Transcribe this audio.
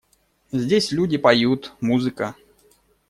Здесь люди поют… музыка.